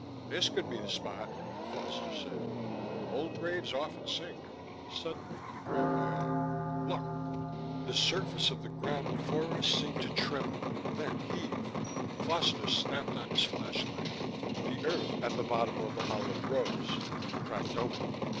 "This could be the spot," Foster said. "Old graves often sink " Suddenly he grabbed my arm. "Look...!" The surface of the ground before us seemed to tremble, then heave. Foster snapped on his flashlight. The earth at the bottom of the hollow rose, cracked open.